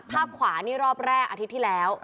ภาพขวานี่รอบแรกอาทิตย์ที่แล้ว